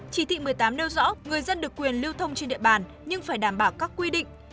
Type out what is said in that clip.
chỉ thị một mươi tám nêu rõ người dân được quyền lưu thông trên địa bàn nhưng phải đảm bảo các quy định